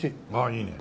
いいね。